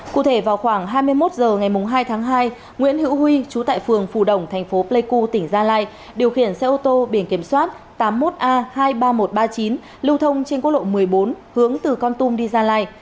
cụ thể vào khoảng hai mươi một h ngày hai tháng hai nguyễn hữu huy chú tại phường phù đồng thành phố pleiku tỉnh gia lai điều khiển xe ô tô biển kiểm soát tám mươi một a hai mươi ba nghìn một trăm ba mươi chín lưu thông trên quốc lộ một mươi bốn hướng từ con tum đi gia lai